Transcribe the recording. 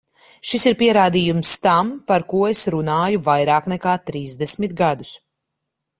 Šis ir pierādījums tam, par ko es runāju vairāk nekā trīsdesmit gadus.